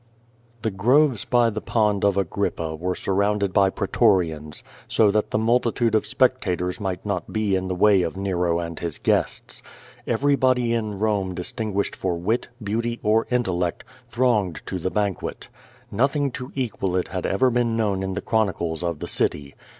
The groves by the Pond of Agrippa were surrounded by pretorians, so that the multitude of spectators might not be in the way of Nero and his guests. Everybody in liome dis tinguished for wit, beauty or intellect, thronged to the ban quct. Nothing to equal it had over l)een known in the chron icles of the city.